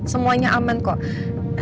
semuanya aman kok